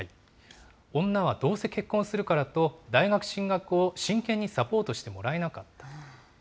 女はどうせ結婚するからと、大学進学を真剣にサポートしてもらえなかった。